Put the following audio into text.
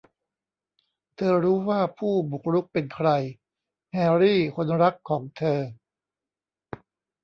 เธอรู้ว่าผู้บุกรุกเป็นใคร : แฮร์รี่คนรักของเธอ